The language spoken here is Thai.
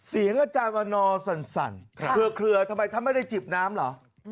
อาจารย์วันนอสั่นเคลือทำไมท่านไม่ได้จิบน้ำเหรอ